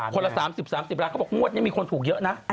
ละ๓๐๓๐ล้านเขาบอกงวดนี้มีคนถูกเยอะนะ